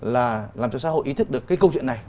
là làm cho xã hội ý thức được cái câu chuyện này